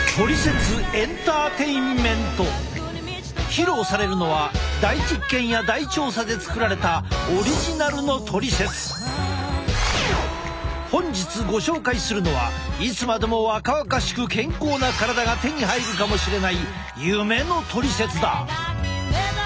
披露されるのは大実験や大調査で作られた本日ご紹介するのはいつまでも若々しく健康な体が手に入るかもしれない夢のトリセツだ。